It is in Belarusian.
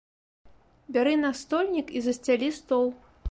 Бяры настольнік і засцялі стол!